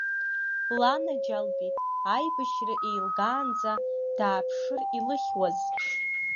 Ланаџьалбеит, аибашьра еилгаанӡа дааԥшыр илыхьуаз?